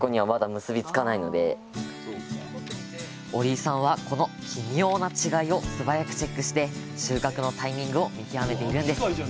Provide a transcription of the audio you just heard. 折井さんはこの微妙な違いを素早くチェックして収穫のタイミングを見極めているんです。